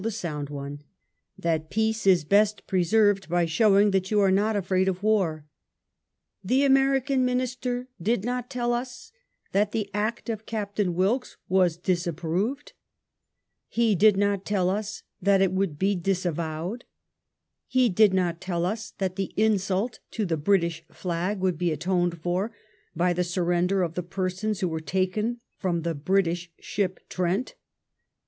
the sound one, that peace is best preserved by showing that you are not afraid of war. The American Minister did not tell ns that the act of Gaptaiir Wilkes was disapproved; he did not tell us that it would be dis avowed ; he did not tell ns that the insult to the British flag would be atoned for by the surrender of the persons who were taken from the British ship Trent.